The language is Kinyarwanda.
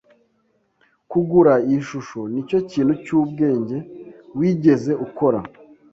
Kugura iyi shusho nicyo kintu cyubwenge wigeze ukora.